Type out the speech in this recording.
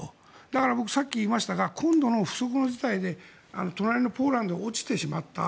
だから、僕、さっき言いましたが今度の不測の事態で隣のポーランドに落ちてしまった。